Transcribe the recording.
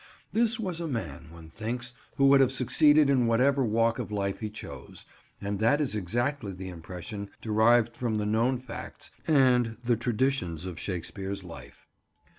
This was a man, one thinks, who would have succeeded in whatever walk of life he chose, and that is exactly the impression derived from the known facts and the traditions of Shakespeare's life.